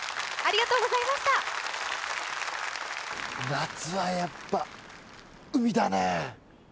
夏はやっぱ海だねえ！